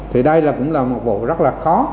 thì đây cũng là một vụ rất là khó